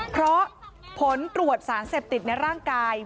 เพราะผลตรวจสารเสพติดในร่างกาย